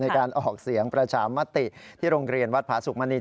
ในการออกเสียงประชามติที่โรงเรียนวัดผาสุกมณี